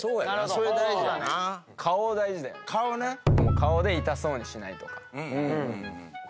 顔で痛そうにしないとか。